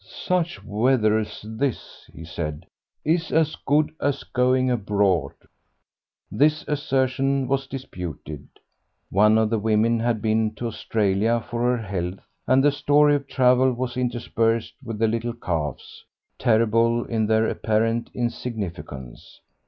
Such weather as this," he said, "is as good as going abroad." This assertion was disputed. One of the women had been to Australia for her health, and the story of travel was interspersed by the little coughs, terrible in their apparent insignificance.